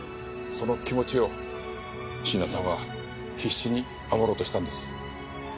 その気持ちを椎名さんは必死に守ろうとしたんです。